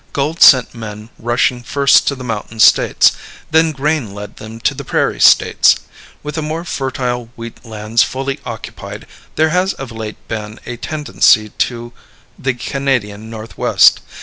Gold sent men rushing first to the mountain States. Then grain led them to the prairie States. With the more fertile wheat lands fully occupied, there has of late been a tendency to the Canadian Northwest.